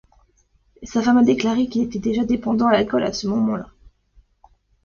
Sa femme a déclaré qu'il était déjà dépendant à l'alcool à ce moment-là.